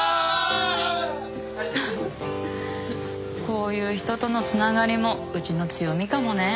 こういう人とのつながりもうちの強みかもね。